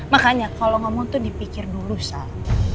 makanya kalau ngomong itu dipikir dulu sal